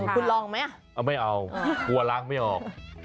คุณลองไหมเอาไม่เอากลัวล้างไม่ออก